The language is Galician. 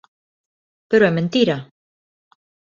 Pero é mentira.